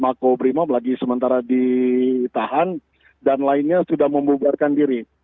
maka primo lagi sementara ditahan dan lainnya sudah membuarkan diri